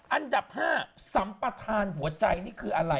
อันดับ๕สัมปทานหัวใจนี่คืออะไร